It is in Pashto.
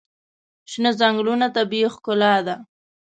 شنه ځنګلونه طبیعي ښکلا ده.